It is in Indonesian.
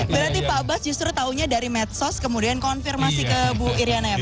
berarti pak abbas justru tahunya dari medsos kemudian konfirmasi ke bu iryana ya pak